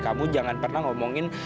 kamu jangan pernah ngomongin